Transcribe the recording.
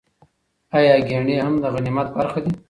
ایا ګېڼي هم د غنیمت برخه دي؟